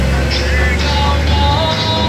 黄锡麟出任第一任会长。